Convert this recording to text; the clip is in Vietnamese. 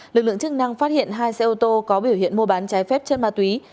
lực lượng chức năng phát hiện hai xe ô tô có biểu hiện mua bán trái phép chất ma túy